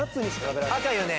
赤いよね？